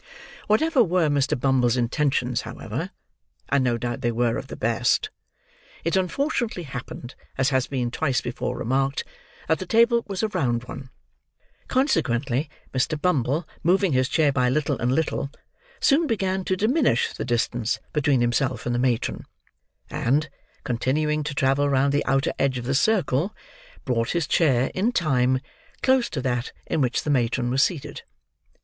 Whatever were Mr. Bumble's intentions, however (and no doubt they were of the best): it unfortunately happened, as has been twice before remarked, that the table was a round one; consequently Mr. Bumble, moving his chair by little and little, soon began to diminish the distance between himself and the matron; and, continuing to travel round the outer edge of the circle, brought his chair, in time, close to that in which the matron was seated.